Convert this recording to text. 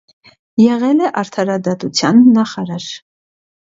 Եղել է արդարադատության նախարար։